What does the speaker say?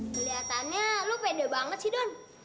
keliatannya lu pede banget sih don